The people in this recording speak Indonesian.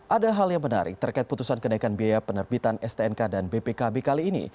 ada hal yang menarik terkait putusan kenaikan biaya penerbitan stnk dan bpkb kali ini